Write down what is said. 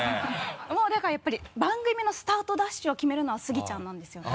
もうだからやっぱり番組のスタートダッシュを決めるのはスギちゃんなんですよね。